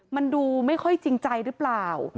มันดูไม่ค่อยจริงใจหรือเปล่า